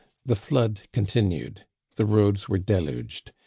The flood continued. The roads were deluged.